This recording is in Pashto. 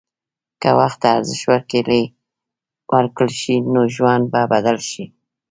که وخت ته ارزښت ورکړل شي، نو ژوند به بدل شي.